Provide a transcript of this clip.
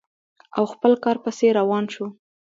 او خپل کار پسې روان شو.